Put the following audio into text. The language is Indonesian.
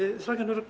ya silahkan duduk